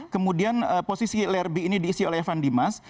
kemudian posisi lerby ini diisi oleh evan dimas